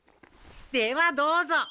ではどうぞ。